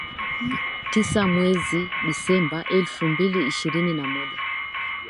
Tisa mwezi Disemba elfu mbili ishirini na moja